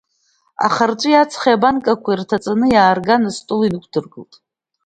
Ахырҵәи ацхеи абанкақәа ирҭаҵаны иаарган астол инықәдыргылт.